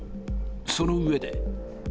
その上で。